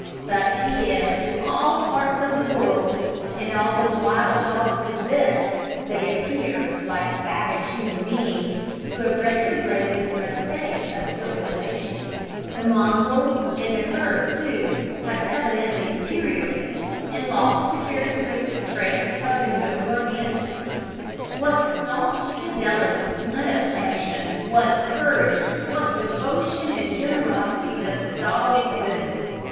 Such he is in all parts of the world; and although wild dogs exist, they appear, like savage human beings, to have retrograded from a state of civilisation. The mongrels and curs, too, have evidently deteriorated, and lost the characteristic traits of their nobler ancestors. What staunch fidelity, what affection, what courage, what devotion and generosity does the dog exhibit!